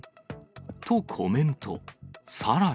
と、コメント。